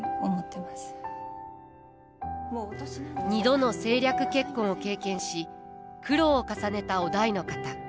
二度の政略結婚を経験し苦労を重ねた於大の方。